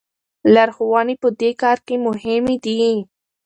لارښوونې په دې کار کې مهمې دي.